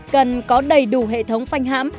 cần có đầy đủ hệ thống phanh hãm